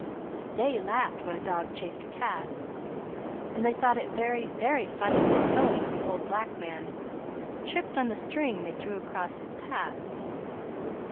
They laughed when a dog chased a cat, and they thought it very, very funny when Tony, the old black man, tripped on the string they drew across his path.